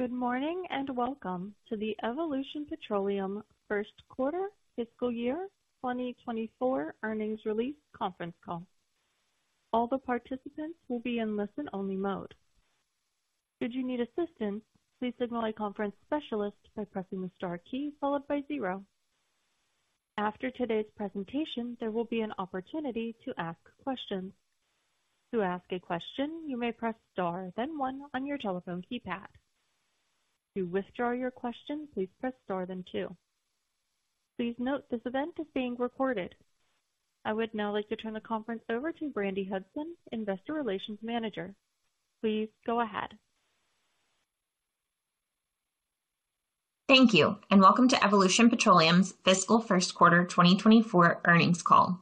Good morning, and welcome to the Evolution Petroleum First Quarter Fiscal Year 2024 Earnings Release conference call. All the participants will be in listen-only mode. Should you need assistance, please signal a conference specialist by pressing the star key followed by zero. After today's presentation, there will be an opportunity to ask questions. To ask a question, you may press star, then one on your telephone keypad. To withdraw your question, please press star, then two. Please note, this event is being recorded. I would now like to turn the conference over to Brandi Hudson, Investor Relations Manager. Please go ahead. Thank you, and welcome to Evolution Petroleum's fiscal first quarter 2024 earnings call.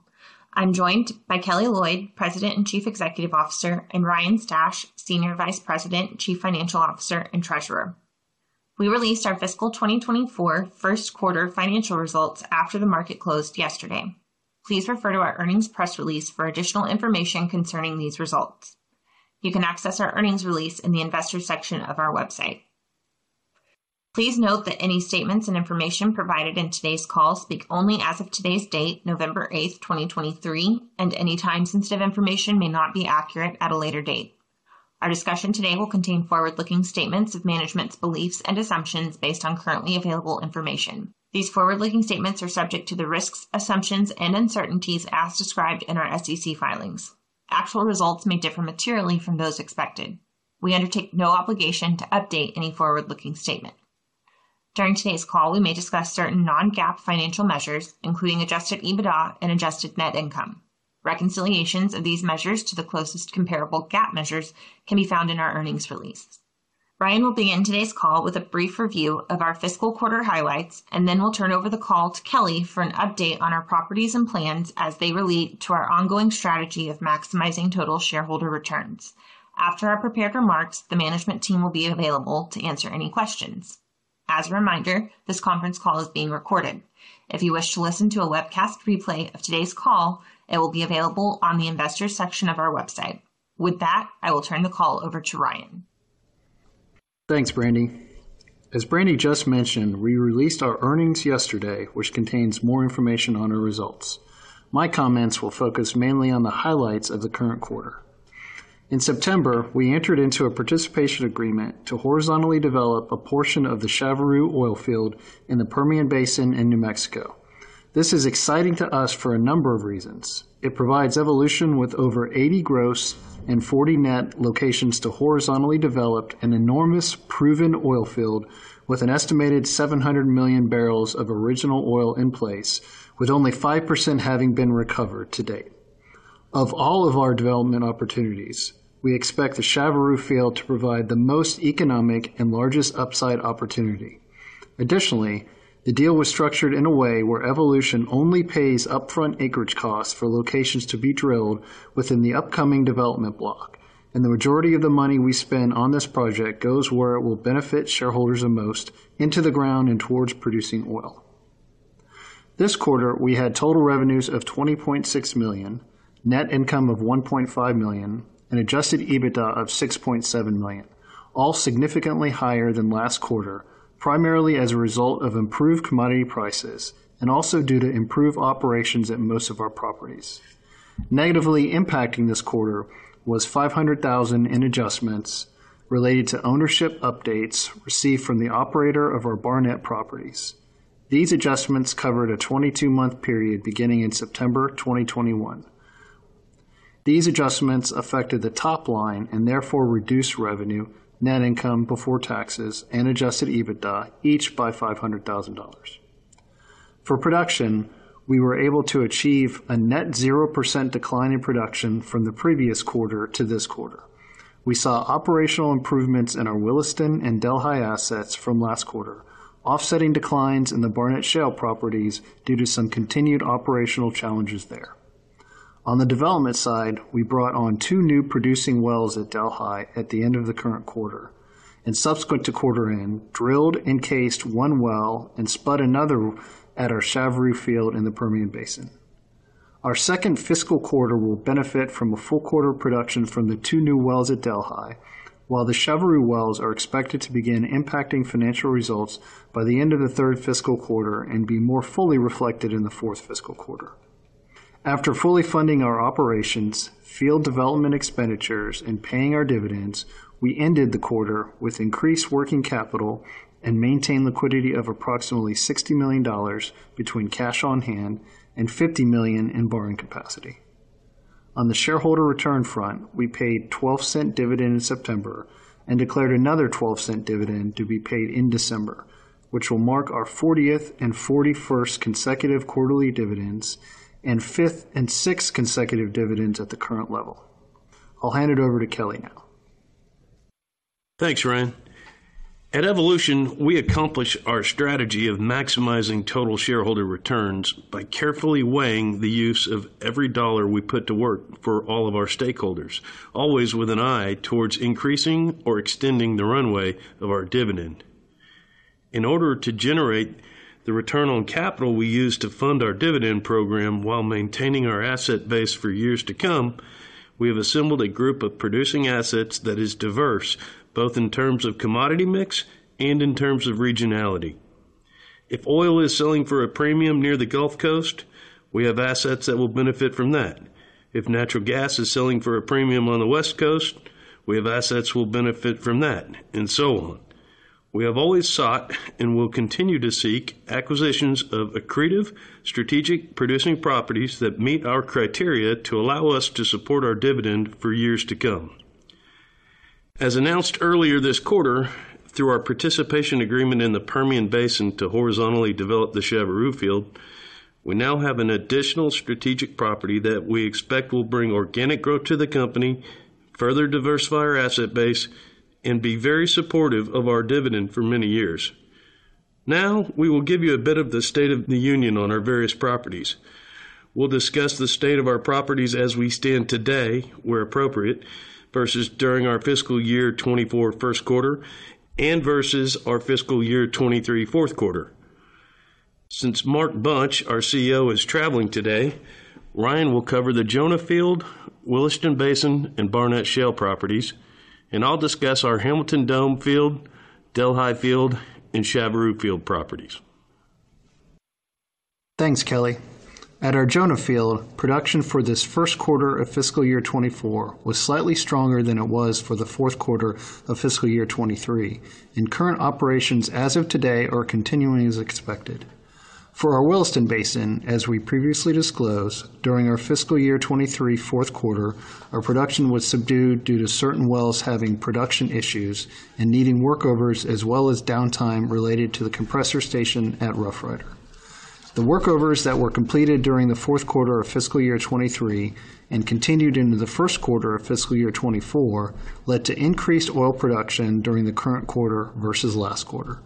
I'm joined by Kelly Loyd, President and Chief Executive Officer, and Ryan Stash, Senior Vice President, Chief Financial Officer, and Treasurer. We released our fiscal 2024 first quarter financial results after the market closed yesterday. Please refer to our earnings press release for additional information concerning these results. You can access our earnings release in the Investors section of our website. Please note that any statements and information provided in today's call speak only as of today's date, November 8th, 2023, and any time-sensitive information may not be accurate at a later date. Our discussion today will contain forward-looking statements of management's beliefs and assumptions based on currently available information. These forward-looking statements are subject to the risks, assumptions, and uncertainties as described in our SEC filings. Actual results may differ materially from those expected. We undertake no obligation to update any forward-looking statement. During today's call, we may discuss certain non-GAAP financial measures, including adjusted EBITDA and adjusted net income. Reconciliations of these measures to the closest comparable GAAP measures can be found in our earnings release. Ryan will begin today's call with a brief review of our fiscal quarter highlights, and then we'll turn over the call to Kelly for an update on our properties and plans as they relate to our ongoing strategy of maximizing total shareholder returns. After our prepared remarks, the management team will be available to answer any questions. As a reminder, this conference call is being recorded. If you wish to listen to a webcast replay of today's call, it will be available on the Investors section of our website. With that, I will turn the call over to Ryan. Thanks, Brandi. As Brandi just mentioned, we released our earnings yesterday, which contains more information on our results. My comments will focus mainly on the highlights of the current quarter. In September, we entered into a participation agreement to horizontally develop a portion of the Chaveroo oil field in the Permian Basin in New Mexico. This is exciting to us for a number of reasons. It provides Evolution with over 80 gross and 40 net locations to horizontally develop an enormous proven oil field with an estimated 700 million barrels of original oil in place, with only 5% having been recovered to date. Of all of our development opportunities, we expect the Chaveroo Field to provide the most economic and largest upside opportunity. Additionally, the deal was structured in a way where Evolution only pays upfront acreage costs for locations to be drilled within the upcoming development block, and the majority of the money we spend on this project goes where it will benefit shareholders the most, into the ground and towards producing oil. This quarter, we had total revenues of $20.6 million, net income of $1.5 million, and adjusted EBITDA of $6.7 million, all significantly higher than last quarter, primarily as a result of improved commodity prices and also due to improved operations at most of our properties. Negatively impacting this quarter was $500,000 in adjustments related to ownership updates received from the operator of our Barnett properties. These adjustments covered a 22-month period beginning in September 2021. These adjustments affected the top line and therefore reduced revenue, net income before taxes, and adjusted EBITDA, each by $500,000. For production, we were able to achieve a net 0% decline in production from the previous quarter to this quarter. We saw operational improvements in our Williston and Delhi assets from last quarter, offsetting declines in the Barnett Shale properties due to some continued operational challenges there. On the development side, we brought on two new producing wells at Delhi at the end of the current quarter, and subsequent to quarter end, drilled and cased one well and spud another at our Chaveroo Field in the Permian Basin. Our second fiscal quarter will benefit from a full quarter of production from the two new wells at Delhi, while the Chaveroo wells are expected to begin impacting financial results by the end of the third fiscal quarter and be more fully reflected in the fourth fiscal quarter. After fully funding our operations, field development expenditures, and paying our dividends, we ended the quarter with increased working capital and maintained liquidity of approximately $60 million between cash on hand and $50 million in borrowing capacity. On the shareholder return front, we paid $0.12 dividend in September and declared another $0.12 dividend to be paid in December, which will mark our fortieth and forty-first consecutive quarterly dividends, and fifth and sixth consecutive dividends at the current level. I'll hand it over to Kelly now. Thanks, Ryan. At Evolution, we accomplish our strategy of maximizing total shareholder returns by carefully weighing the use of every dollar we put to work for all of our stakeholders, always with an eye towards increasing or extending the runway of our dividend. In order to generate the return on capital we use to fund our dividend program while maintaining our asset base for years to come, we have assembled a group of producing assets that is diverse, both in terms of commodity mix and in terms of regionality. If oil is selling for a premium near the Gulf Coast, we have assets that will benefit from that. If natural gas is selling for a premium on the West Coast, we have assets that will benefit from that, and so on. We have always sought, and will continue to seek, acquisitions of accretive, strategic producing properties that meet our criteria to allow us to support our dividend for years to come. As announced earlier this quarter, through our participation agreement in the Permian Basin to horizontally develop the Chaveroo Field, we now have an additional strategic property that we expect will bring organic growth to the company, further diversify our asset base, and be very supportive of our dividend for many years. Now, we will give you a bit of the state of the union on our various properties. We'll discuss the state of our properties as we stand today, where appropriate, versus during our fiscal year 2024 first quarter and versus our fiscal year 2023 fourth quarter. Since Mark Bunch, our CEO, is traveling today, Ryan will cover the Jonah Field, Williston Basin, and Barnett Shale properties, and I'll discuss our Hamilton Dome Field, Delhi Field, and Chaveroo Field properties. Thanks, Kelly. At our Jonah Field, production for this first quarter of fiscal year 2024 was slightly stronger than it was for the fourth quarter of fiscal year 2023, and current operations as of today are continuing as expected. For our Williston Basin, as we previously disclosed, during our fiscal year 2023 fourth quarter, our production was subdued due to certain wells having production issues and needing workovers, as well as downtime related to the compressor station at Rough Rider. The workovers that were completed during the fourth quarter of fiscal year 2023 and continued into the first quarter of fiscal year 2024, led to increased oil production during the current quarter versus last quarter.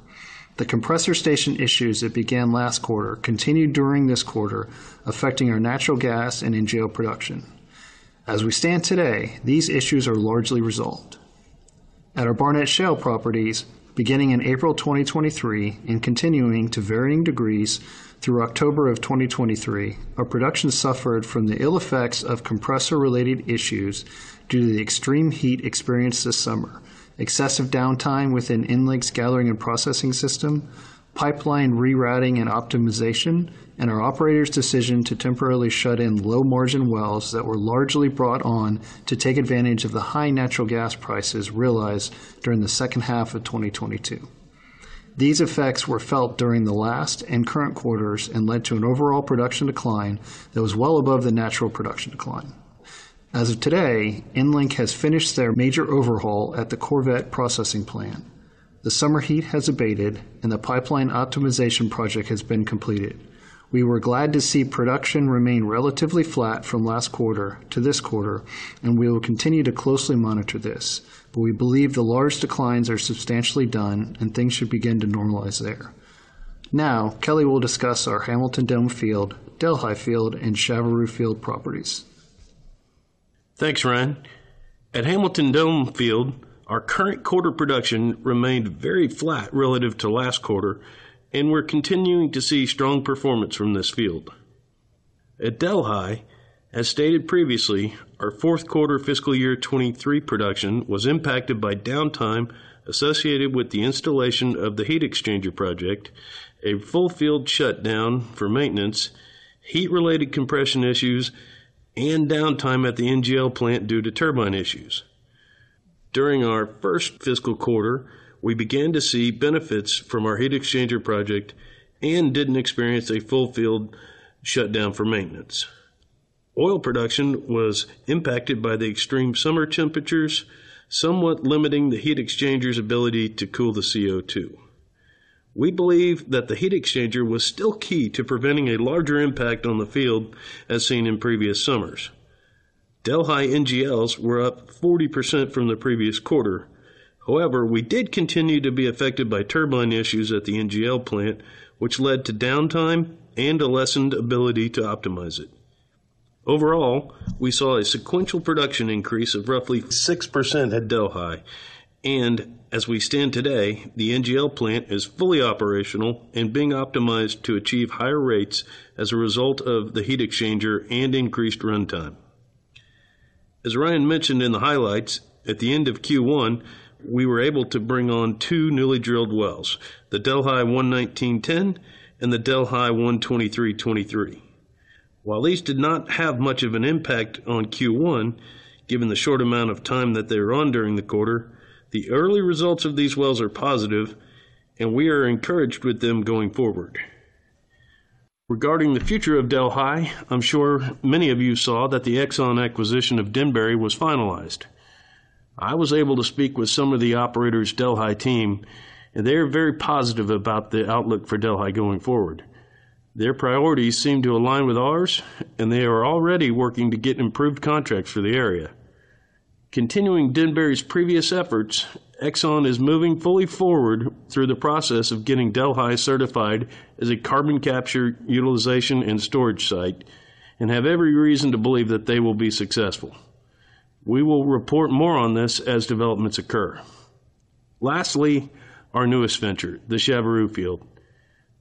The compressor station issues that began last quarter continued during this quarter, affecting our natural gas and NGL production. As we stand today, these issues are largely resolved. At our Barnett Shale properties, beginning in April 2023 and continuing to varying degrees through October of 2023, our production suffered from the ill effects of compressor-related issues due to the extreme heat experienced this summer, excessive downtime within EnLink's gathering and processing system, pipeline rerouting and optimization, and our operator's decision to temporarily shut in low-margin wells that were largely brought on to take advantage of the high natural gas prices realized during the second half of 2022. These effects were felt during the last and current quarters and led to an overall production decline that was well above the natural production decline. As of today, EnLink has finished their major overhaul at the Corvette processing plant. The summer heat has abated, and the pipeline optimization project has been completed. We were glad to see production remain relatively flat from last quarter to this quarter, and we will continue to closely monitor this, but we believe the large declines are substantially done and things should begin to normalize there. Now, Kelly will discuss our Hamilton Dome Field, Delhi Field, and Chaveroo Field properties. Thanks, Ryan. At Hamilton Dome Field, our current quarter production remained very flat relative to last quarter, and we're continuing to see strong performance from this field. At Delhi, as stated previously, our fourth quarter fiscal year 2023 production was impacted by downtime associated with the installation of the heat exchanger project, a full field shutdown for maintenance, heat-related compression issues, and downtime at the NGL plant due to turbine issues. During our first fiscal quarter, we began to see benefits from our heat exchanger project and didn't experience a full field shutdown for maintenance. Oil production was impacted by the extreme summer temperatures, somewhat limiting the heat exchanger's ability to cool the CO2. We believe that the heat exchanger was still key to preventing a larger impact on the field, as seen in previous summers. Delhi NGLs were up 40% from the previous quarter. However, we did continue to be affected by turbine issues at the NGL plant, which led to downtime and a lessened ability to optimize it. Overall, we saw a sequential production increase of roughly 6% at Delhi, and as we stand today, the NGL plant is fully operational and being optimized to achieve higher rates as a result of the heat exchanger and increased runtime. As Ryan mentioned in the highlights, at the end of Q1, we were able to bring on two newly drilled wells, the Delhi 11910 and the Delhi 12323. While these did not have much of an impact on Q1, given the short amount of time that they were on during the quarter, the early results of these wells are positive, and we are encouraged with them going forward. Regarding the future of Delhi, I'm sure many of you saw that the Exxon acquisition of Denbury was finalized. I was able to speak with some of the operator's Delhi team, and they're very positive about the outlook for Delhi going forward. Their priorities seem to align with ours, and they are already working to get improved contracts for the area. Continuing Denbury's previous efforts, Exxon is moving fully forward through the process of getting Delhi certified as a carbon capture, utilization, and storage site, and have every reason to believe that they will be successful. We will report more on this as developments occur. Lastly, our newest venture, the Chaveroo Field.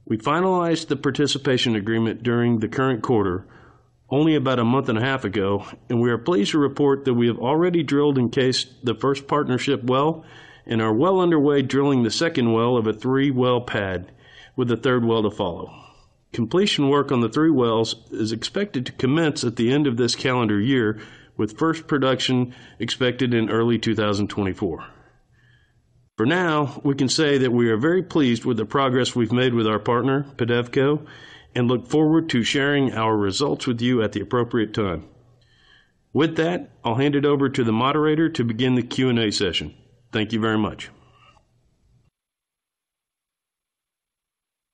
We finalized the participation agreement during the current quarter, only about a month and a half ago, and we are pleased to report that we have already drilled and cased the first partnership well, and are well underway drilling the second well of a three-well pad, with the third well to follow. Completion work on the three wells is expected to commence at the end of this calendar year, with first production expected in early 2024. For now, we can say that we are very pleased with the progress we've made with our partner, PEDEVCO, and look forward to sharing our results with you at the appropriate time. With that, I'll hand it over to the moderator to begin the Q&A session. Thank you very much.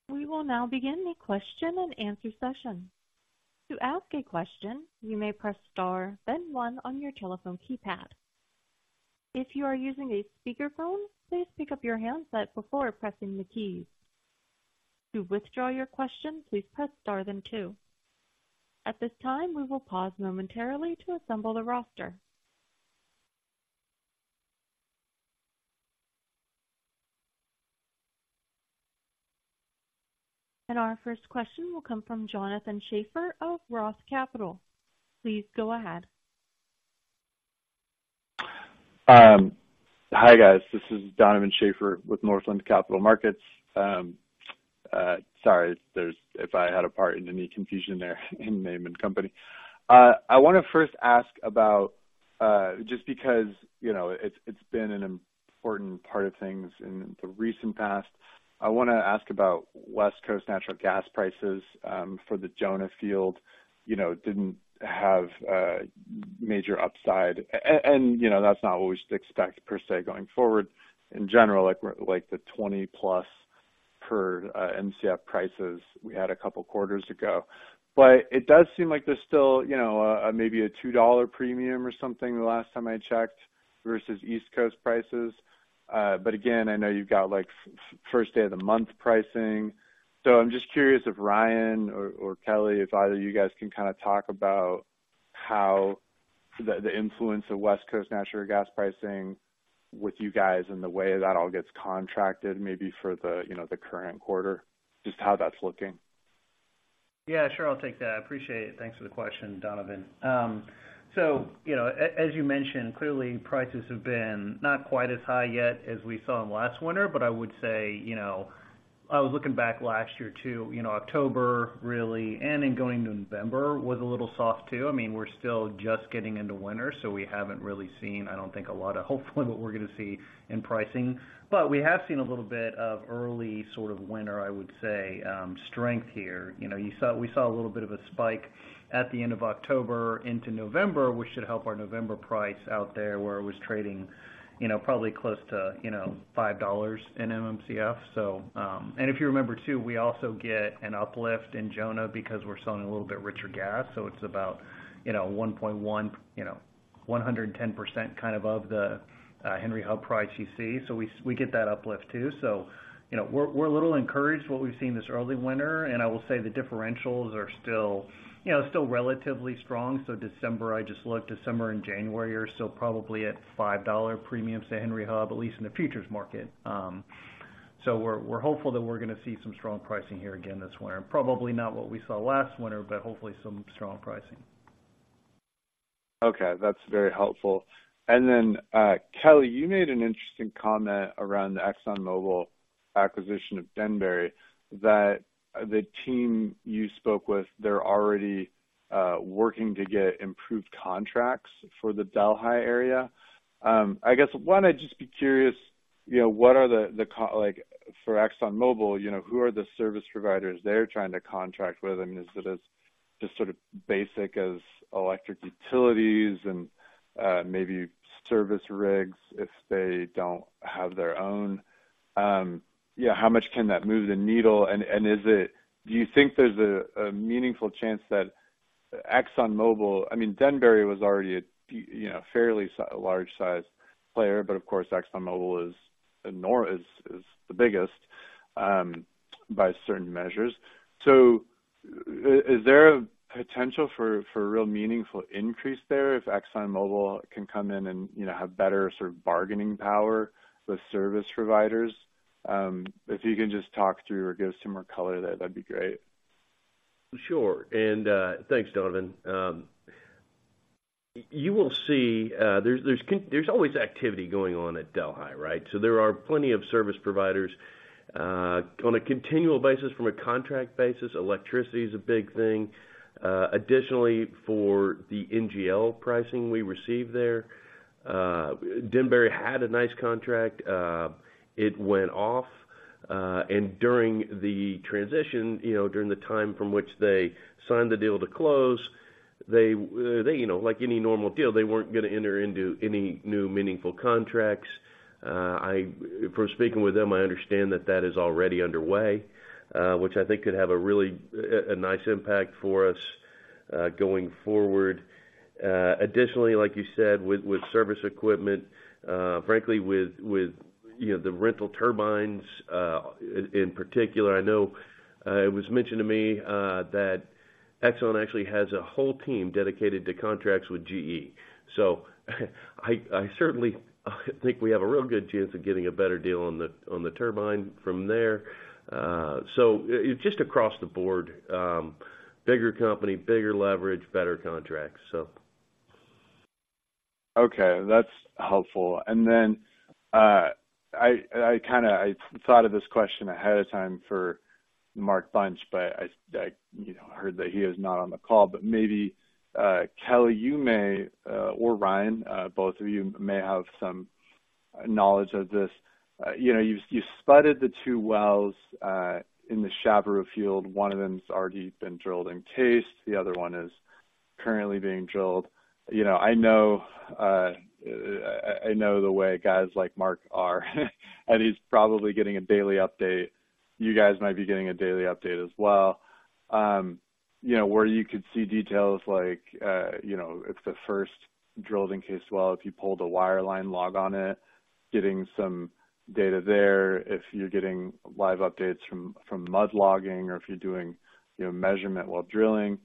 We will now begin the question and answer session. To ask a question, you may press star, then one on your telephone keypad. If you are using a speakerphone, please pick up your handset before pressing the keys. To withdraw your question, please press star, then two. At this time, we will pause momentarily to assemble the roster. Our first question will come from Jonathan Schaeffer of Roth Capital. Please go ahead. Hi, guys. This is Donovan Schafer with Northland Capital Markets. Sorry, there's—if I had a part in any confusion there in name and company. I wanna first ask about, just because, you know, it's, it's been an important part of things in the recent past. I wanna ask about West Coast natural gas prices, for the Jonah Field, you know, didn't have major upside. And, you know, that's not what we expect per se, going forward in general, like we're—like the 20+ per MCF prices we had a couple quarters ago. But it does seem like there's still, you know, maybe a $2 premium or something, the last time I checked, versus East Coast prices. But again, I know you've got, like, first day of the month pricing. So I'm just curious if Ryan or, or Kelly, if either of you guys can kinda talk about how the, the influence of West Coast natural gas pricing with you guys and the way that all gets contracted, maybe for the, you know, the current quarter, just how that's looking? Yeah, sure. I'll take that. I appreciate it. Thanks for the question, Donovan. So, you know, as you mentioned, clearly prices have been not quite as high yet as we saw them last winter, but I would say, you know, I was looking back last year, too, you know, October, really, and into November was a little soft, too. I mean, we're still just getting into winter, so we haven't really seen, I don't think, a lot of, hopefully, what we're gonna see in pricing. But we have seen a little bit of early sort of winter, I would say, strength here. You know, you saw, we saw a little bit of a spike at the end of October into November, which should help our November price out there, where it was trading, you know, probably close to, you know, $5 in MMcf. So, and if you remember, too, we also get an uplift in Jonah because we're selling a little bit richer gas, so it's about, you know, 1.1, you know, 110% kind of above the Henry Hub price you see. So we, we get that uplift, too. So, you know, we're, we're a little encouraged what we've seen this early winter, and I will say the differentials are still, you know, still relatively strong. So December, I just looked, December and January are still probably at $5 premium to Henry Hub, at least in the futures market. So we're, we're hopeful that we're gonna see some strong pricing here again this winter. Probably not what we saw last winter, but hopefully some strong pricing. Okay, that's very helpful. And then, Kelly, you made an interesting comment around the ExxonMobil acquisition of Denbury, that the team you spoke with, they're already working to get improved contracts for the Delhi area. I guess, one, I'd just be curious, you know, what are the, like, for ExxonMobil, you know, who are the service providers they're trying to contract with? I mean, is it as just sort of basic as electric utilities and maybe service rigs, if they don't have their own? Yeah, how much can that move the needle? And, is it-- do you think there's a meaningful chance that ExxonMobil... I mean, Denbury was already a, you know, fairly large-sized player, but of course, ExxonMobil is is the biggest by certain measures. So is there a potential for real meaningful increase there if ExxonMobil can come in and, you know, have better sort of bargaining power with service providers? If you can just talk through or give some more color there, that'd be great. Sure. And, thanks, Donovan. You will see, there's always activity going on at Delhi, right? So there are plenty of service providers. On a continual basis, from a contract basis, electricity is a big thing. Additionally, for the NGL pricing we receive there, Denbury had a nice contract. It went off, and during the transition, you know, during the time from which they signed the deal to close, they, they, you know, like any normal deal, they weren't gonna enter into any new meaningful contracts. From speaking with them, I understand that that is already underway, which I think could have a really, a, a nice impact for us, going forward. Additionally, like you said, with service equipment, frankly, with, with-... You know, the rental turbines, in particular, I know, it was mentioned to me, that Exxon actually has a whole team dedicated to contracts with GE. So I certainly, I think we have a real good chance of getting a better deal on the, on the turbine from there. So just across the board, bigger company, bigger leverage, better contracts, so. Okay, that's helpful. And then, I kinda thought of this question ahead of time for Mark Bunch, but I, you know, heard that he is not on the call. But maybe, Kelly, you may or Ryan, both of you may have some knowledge of this. You know, you spudded the two wells in the Chaveroo Field. One of them's already been drilled and cased, the other one is currently being drilled. You know, I know the way guys like Mark are, and he's probably getting a daily update. You guys might be getting a daily update as well. You know, where you could see details like, you know, it's the first drilled in case well, if you pulled a wireline log on it, getting some data there, if you're getting live updates from mud logging, or if you're doing, you know, measurement while drilling.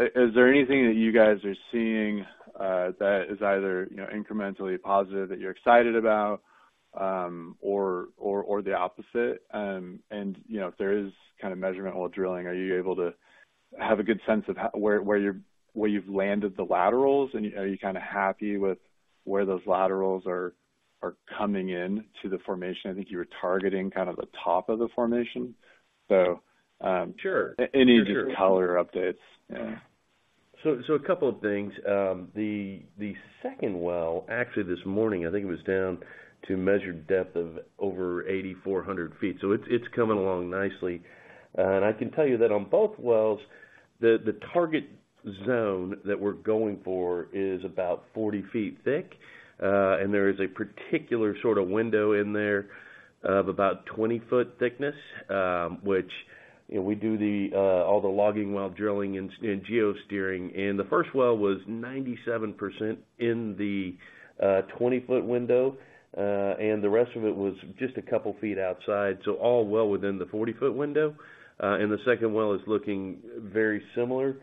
Is there anything that you guys are seeing, that is either, you know, incrementally positive that you're excited about, or the opposite? And, you know, if there is kinda measurement while drilling, are you able to have a good sense of where you've landed the laterals? And are you kinda happy with where those laterals are coming in to the formation? I think you were targeting kind of the top of the formation. So, Sure. Any just higher updates? Yeah. So, a couple of things. The second well, actually this morning, I think it was down to measured depth of over 8,400 ft. So it's coming along nicely. And I can tell you that on both wells, the target zone that we're going for is about 40 ft thick, and there is a particular sort of window in there of about 20-ft thickness, which, you know, we do all the logging while drilling and geo-steering. And the first well was 97% in the 20-ft window, and the rest of it was just a couple feet outside, so all well within the 40-ft window. And the second well is looking very similar.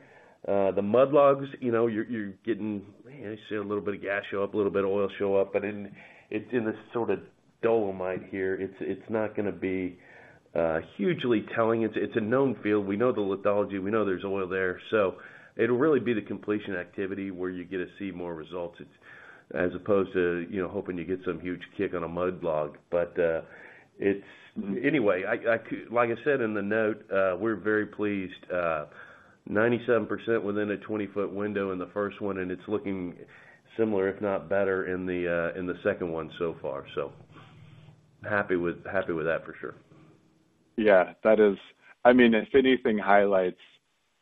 The mud logs, you know, you're getting... Man, I see a little bit of gas show up, a little bit of oil show up, but it's in this sort of dolomite here. It's, it's not gonna be hugely telling. It's, it's a known field. We know the lithology. We know there's oil there. So it'll really be the completion activity where you get to see more results. It's as opposed to, you know, hoping you get some huge kick on a mud log. But, it's. Anyway, like I said in the note, we're very pleased, 97% within a 20-ft window in the first one, and it's looking similar, if not better, in the second one so far. So happy with that, for sure. Yeah, that is. I mean, if anything highlights,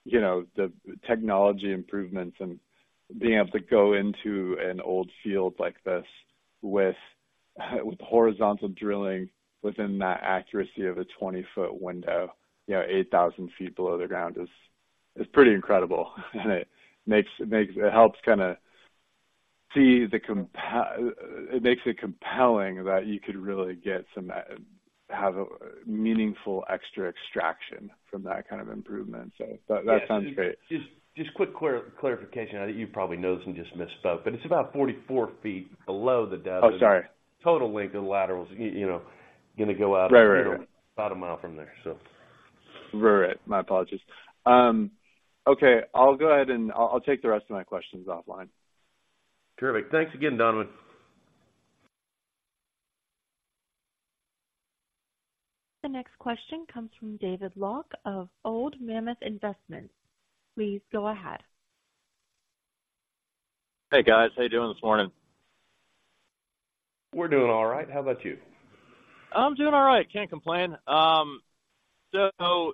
you know, the technology improvements and being able to go into an old field like this with horizontal drilling within that accuracy of a 20-ft window, you know, 8,000 ft below the ground, is pretty incredible. And it makes it compelling that you could really get some have a meaningful extra extraction from that kind of improvement. So that sounds great. Just a quick clarification on it. You probably know this and just misspoke, but it's about 44 ft below the depth- Oh, sorry. Total length of the laterals, you know, gonna go out- Right, right, right. About a mile from there, so. Right. My apologies. Okay, I'll go ahead, and I'll take the rest of my questions offline. Terrific. Thanks again, Donovan. The next question comes from David Locke of Old Mammoth Investment. Please go ahead. Hey, guys. How you doing this morning? We're doing all right. How about you? I'm doing all right. Can't complain. So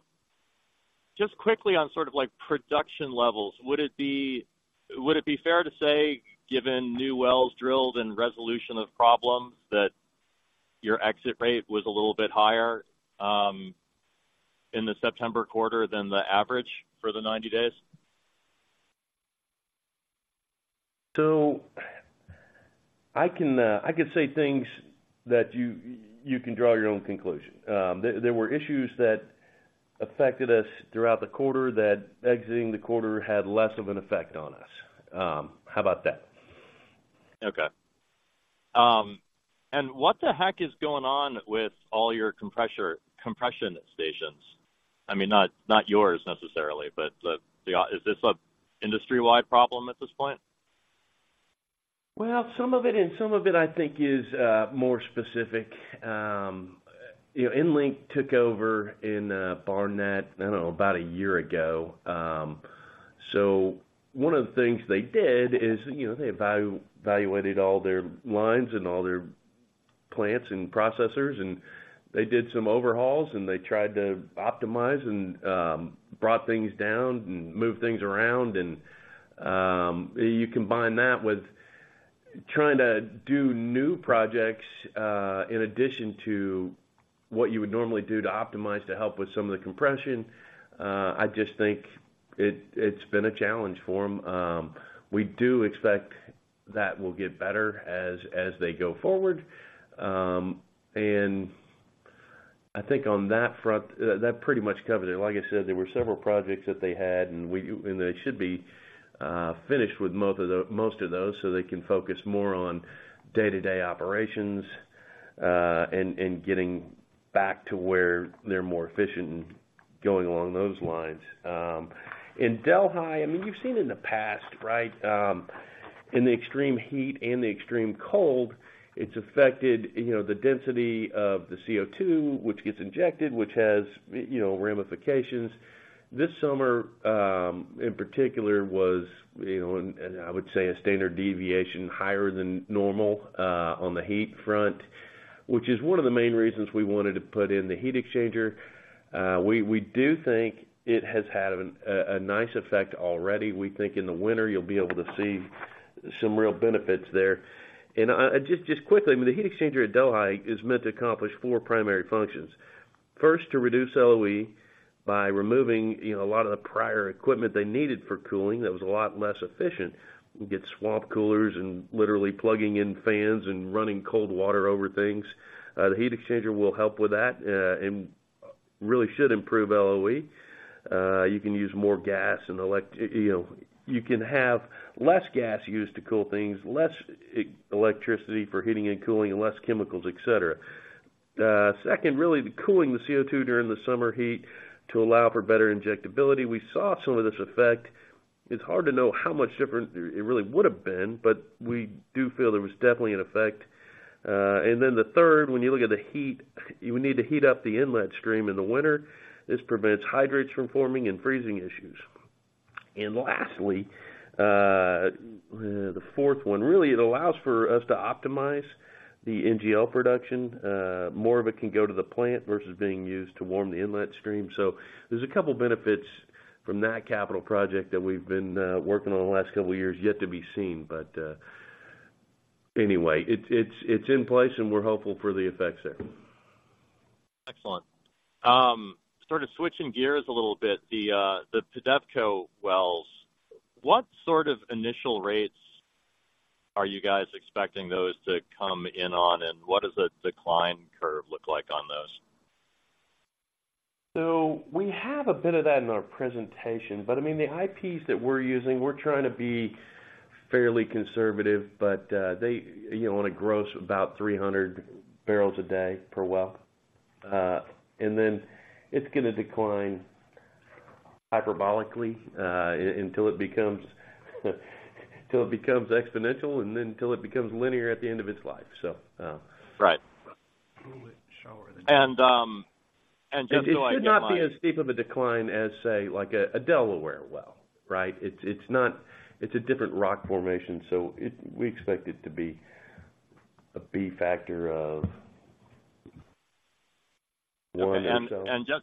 just quickly on sort of, like, production levels, would it be fair to say, given new wells drilled and resolution of problems, that your exit rate was a little bit higher in the September quarter than the average for the 90 days? So I can, I could say things that you can draw your own conclusion. There were issues that affected us throughout the quarter that exiting the quarter had less of an effect on us. How about that? Okay. And what the heck is going on with all your compression stations? I mean, not, not yours necessarily, but the... Is this an industry-wide problem at this point? Well, some of it, and some of it, I think, is more specific. You know, EnLink took over in Barnett, I don't know, about a year ago. So one of the things they did is, you know, they evaluated all their lines and all their plants and processors, and they did some overhauls, and they tried to optimize and brought things down and moved things around. And you combine that with trying to do new projects in addition to what you would normally do to optimize, to help with some of the compression, I just think it, it's been a challenge for them. We do expect that will get better as they go forward. And I think on that front, that pretty much covered it. Like I said, there were several projects that they had, and they should be finished with most of those, so they can focus more on day-to-day operations and getting back to where they're more efficient going along those lines. In Delhi, I mean, you've seen in the past, right? In the extreme heat and the extreme cold, it's affected, you know, the density of the CO2, which gets injected, which has, you know, ramifications. This summer, in particular, was, you know, and I would say a standard deviation higher than normal on the heat front, which is one of the main reasons we wanted to put in the heat exchanger. We do think it has had a nice effect already. We think in the winter, you'll be able to see some real benefits there. And, just quickly, I mean, the heat exchanger at Delhi is meant to accomplish four primary functions. First, to reduce LOE by removing, you know, a lot of the prior equipment they needed for cooling, that was a lot less efficient. You get swamp coolers and literally plugging in fans and running cold water over things. The heat exchanger will help with that, and really should improve LOE. You can use more gas and elect- you know, you can have less gas used to cool things, less electricity for heating and cooling, and less chemicals, et cetera. Second, really, the cooling the CO2 during the summer heat to allow for better injectability. We saw some of this effect. It's hard to know how much different it really would've been, but we do feel there was definitely an effect. And then the third, when you look at the heat, you would need to heat up the inlet stream in the winter. This prevents hydrates from forming and freezing issues. And lastly, the fourth one, really, it allows for us to optimize the NGL production. More of it can go to the plant versus being used to warm the inlet stream. So there's a couple benefits from that capital project that we've been working on the last couple of years, yet to be seen. But anyway, it's in place, and we're hopeful for the effects there. Excellent. Sort of switching gears a little bit, the, the PEDEVCO wells, what sort of initial rates are you guys expecting those to come in on, and what does a decline curve look like on those? So we have a bit of that in our presentation, but I mean, the IPs that we're using, we're trying to be fairly conservative, but, they, you know, want to gross about 300 bbl a day per well. And then it's gonna decline hyperbolically, until it becomes exponential, and then till it becomes linear at the end of its life. So, Right. A little bit shallower than- And just so I- It should not be as steep of a decline as, say, like a Delaware well, right? It's not, it's a different rock formation, so it, we expect it to be a B-factor of one and some.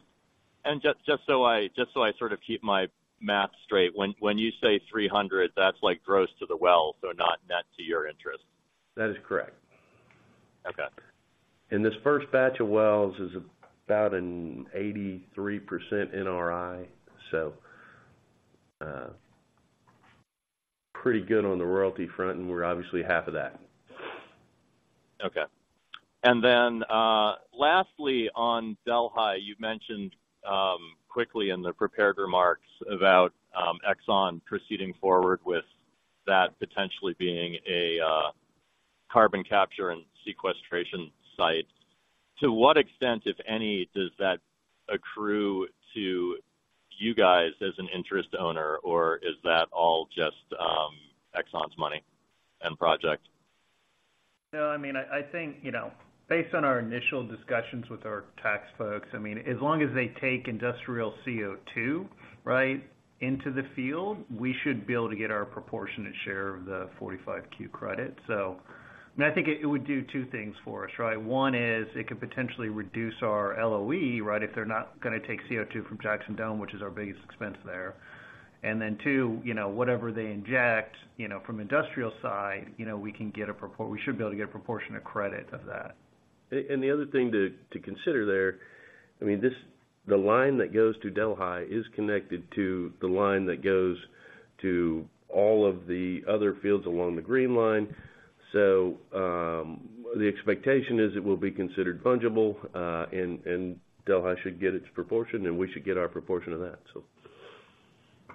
And just so I sort of keep my math straight, when you say 300, that's like gross to the well, so not net to your interest? That is correct. Okay. This first batch of wells is about an 83% NRI, so, pretty good on the royalty front, and we're obviously half of that. Okay. And then, lastly, on Delhi, you've mentioned, quickly in the prepared remarks about, Exxon proceeding forward with that potentially being a, carbon capture and sequestration site. To what extent, if any, does that accrue to you guys as an interest owner, or is that all just Exxon's money and project? No, I mean, I think, you know, based on our initial discussions with our tax folks, I mean, as long as they take industrial CO2, right, into the field, we should be able to get our proportionate share of the 45Q credit. So... And I think it would do two things for us, right? One is it could potentially reduce our LOE, right? If they're not gonna take CO2 from Jackson Dome, which is our biggest expense there. And then, two, you know, whatever they inject, you know, from industrial side, you know, we can get a propor- we should be able to get a proportionate credit of that. And the other thing to consider there, I mean, this, the line that goes to Delhi is connected to the line that goes to all of the other fields along the green line. So, the expectation is it will be considered fungible, and Delhi should get its proportion, and we should get our proportion of that, so.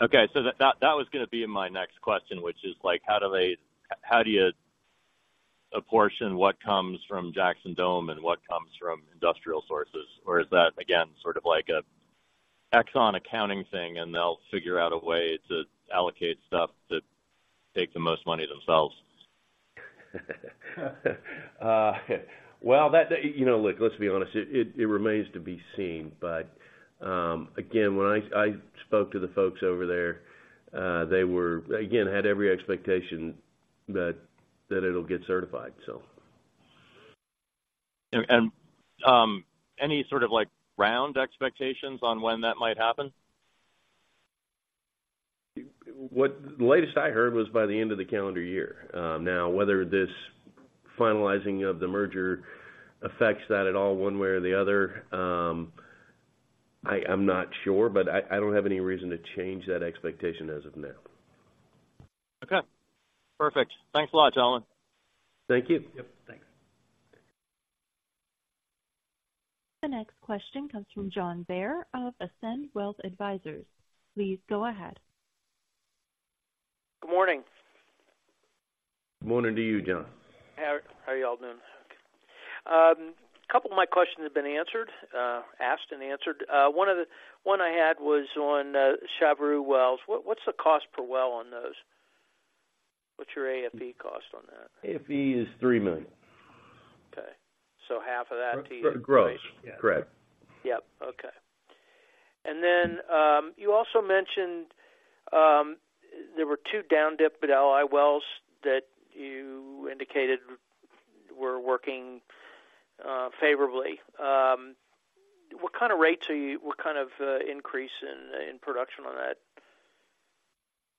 Okay. So that was gonna be my next question, which is, like, how do you apportion what comes from Jackson Dome and what comes from industrial sources? Or is that, again, sort of like an Exxon accounting thing, and they'll figure out a way to allocate stuff to take the most money themselves? Well, that, you know, look, let's be honest, it remains to be seen. But, again, when I spoke to the folks over there, they were... Again, had every expectation that it'll get certified, so. Any sort of, like, round expectations on when that might happen? What, the latest I heard was by the end of the calendar year. Now, whether this finalizing of the merger affects that at all, one way or the other, I'm not sure, but I don't have any reason to change that expectation as of now. Okay, perfect. Thanks a lot, gentlemen. Thank you. Yep, thanks. The next question comes from John Bair of Ascend Wealth Advisors. Please go ahead. Good morning. Morning to you, John. How are you all doing? A couple of my questions have been answered, asked, and answered. One I had was on Chaveroo wells. What’s the cost per well on those? What’s your AFE cost on that? AFE is $3 million. Okay. So half of that to you? Gross. Correct. Yep, okay. And then, you also mentioned there were two down dip Delhi wells that you indicated were working favorably. What kind of rates are you—what kind of increase in production on that?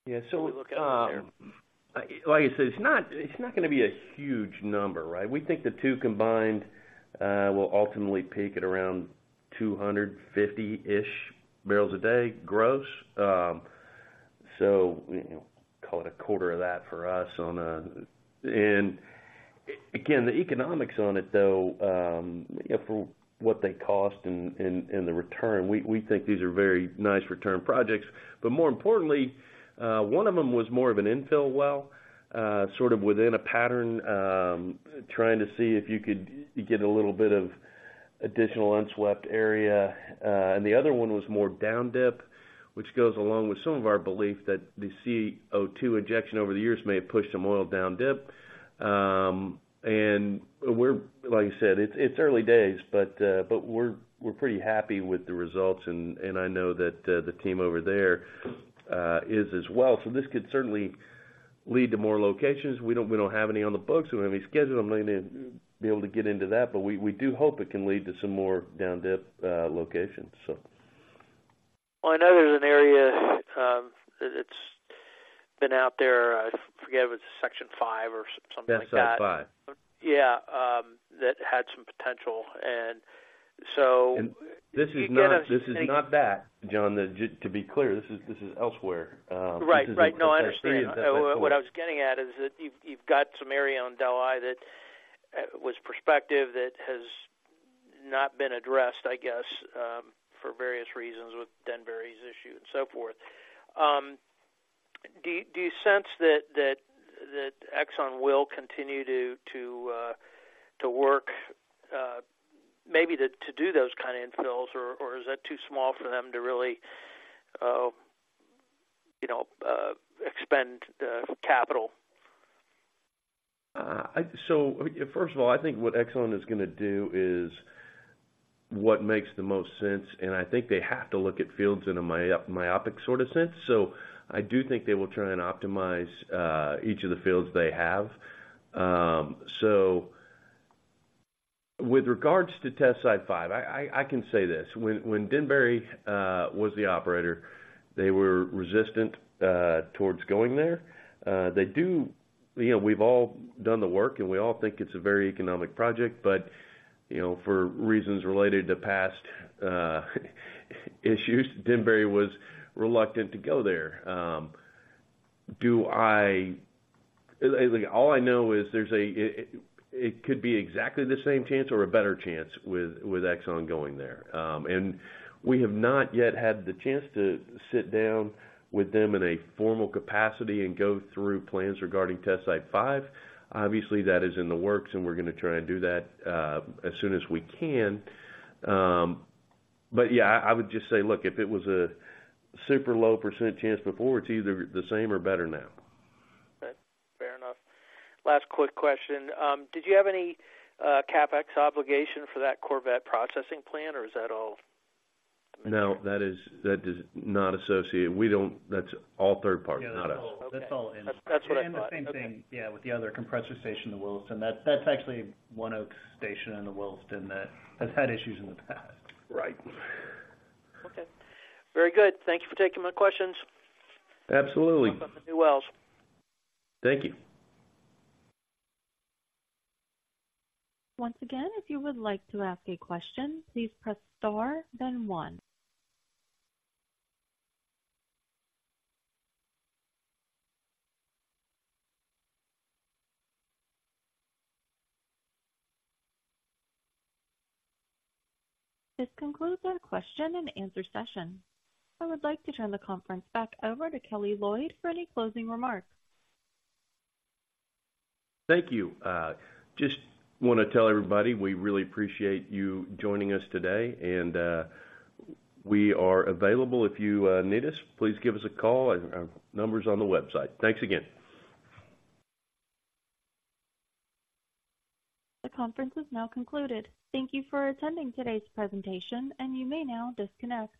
Yeah, so, like I said, it's not, it's not gonna be a huge number, right? We think the two combined will ultimately peak at around 250-ish bbl a day, gross. So, you know, call it a quarter of that for us on a... And again, the economics on it, though, you know, for what they cost and the return, we think these are very nice return projects. But more importantly, one of them was more of an infill well, sort of within a pattern, trying to see if you could get a little bit of additional unswept area. And the other one was more down dip, which goes along with some of our belief that the CO2 injection over the years may have pushed some oil down dip. And we're, like I said, it's early days, but we're pretty happy with the results, and I know that the team over there is as well. So this could certainly lead to more locations. We don't have any on the books, or we have any scheduled. I'm not gonna be able to get into that, but we do hope it can lead to some more down-dip locations, so. Well, I know there's an area, it's been out there. I forget if it was Section 5 or something like that. Yeah, Section 5. Yeah, that had some potential. And so- This is not, this is not that, John. To be clear, this is, this is elsewhere. Right. Right. No, I understand. That's that point. What I was getting at is that you've got some area on Delhi that was prospective that has not been addressed, I guess, for various reasons, with Denbury's issue and so forth. Do you sense that Exxon will continue to work, maybe to do those kind of infills, or is that too small for them to really, you know, expend the capital? So, first of all, I think what Exxon is gonna do is what makes the most sense, and I think they have to look at fields in a myopic sort of sense. So I do think they will try and optimize each of the fields they have. So with regards to Test Site 5, I can say this: when Denbury was the operator, they were resistant towards going there. They do... You know, we've all done the work, and we all think it's a very economic project, but, you know, for reasons related to past issues, Denbury was reluctant to go there. Do I—All I know is there's a, it could be exactly the same chance or a better chance with Exxon going there. We have not yet had the chance to sit down with them in a formal capacity and go through plans regarding Test Site 5. Obviously, that is in the works, and we're gonna try and do that as soon as we can. Yeah, I, I would just say, look, if it was a super low percent chance before, it's either the same or better now. Okay, fair enough. Last quick question. Did you have any CapEx obligation for that Corvette processing plant, or is that all? No, that is not associated. We don't. That's all third party, not us. That's all in. That's what I thought. The same thing, yeah, with the other compressor station in the Williston. That's actually ONEOK station in the Williston that has had issues in the past. Right. Okay, very good. Thank you for taking my questions. Absolutely. Welcome to new wells. Thank you. Once again, if you would like to ask a question, please press star, then one. This concludes our question-and-answer session. I would like to turn the conference back over to Kelly Loyd for any closing remarks. Thank you. Just wanna tell everybody we really appreciate you joining us today, and we are available if you need us. Please give us a call. Our, our number's on the website. Thanks again. The conference is now concluded. Thank you for attending today's presentation, and you may now disconnect.